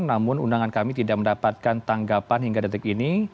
namun undangan kami tidak mendapatkan tanggapan hingga detik ini